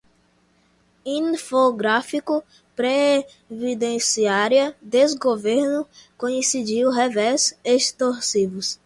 Infográfico, previdenciária, desgoverno, coincidiu, revés, extorsivos